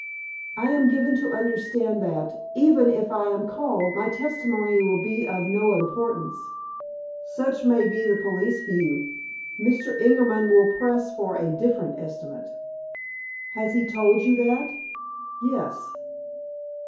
"I am given to understand that, even if I am called, my testimony will be of no importance." "Such may be the police view. Mr. Ingerman will press for a very different estimate." "Has he told you that?" "Yes."